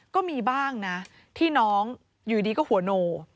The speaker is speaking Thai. ก็มีบ้างนะที่น้องอยู่ดีก็หัวโน